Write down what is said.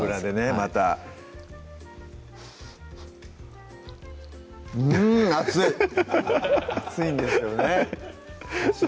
またうん熱い熱いんですよねだし